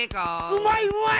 うまいうまい！